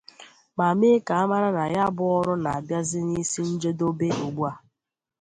ma mee ka a mara na ya bụ ọrụ na-abịazị n'isi njedobe ugbua.